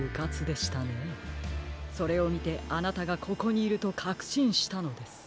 それをみてあなたがここにいるとかくしんしたのです。